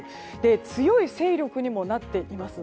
強い勢力にもなっています。